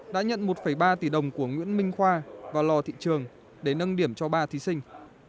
đã nhận một ba tỷ đồng của nguyễn minh khoa vào lò thị trường để nâng điểm cho ba thí sinh